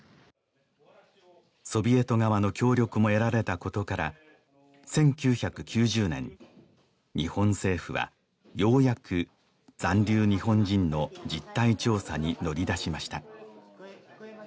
ソビエト側の協力も得られたことから１９９０年日本政府はようやく残留日本人の実態調査に乗り出しました